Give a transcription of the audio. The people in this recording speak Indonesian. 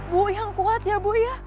bu yang kuat ya bu ya